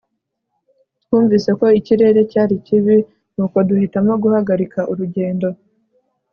twumvise ko ikirere cyari kibi, nuko duhitamo guhagarika urugendo